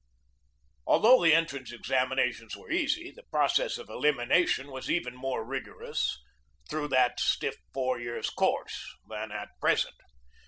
Although the entrance examinations were easy, the process of elimination was even more rigorous through that stiff four years' course than at present.